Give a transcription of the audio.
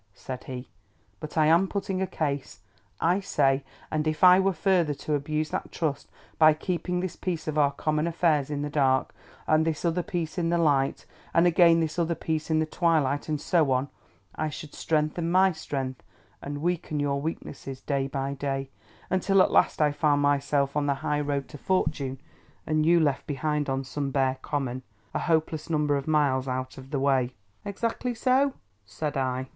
said he; "but I am putting a case—I say, and if I were further to abuse that trust by keeping this piece of our common affairs in the dark, and this other piece in the light, and again this other piece in the twilight, and so on, I should strengthen my strength, and weaken your weakness, day by day, until at last I found myself on the high road to fortune, and you left behind on some bare common, a hopeless number of miles out of the way." "Exactly so," said I.